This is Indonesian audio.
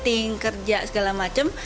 ting kerja segala macem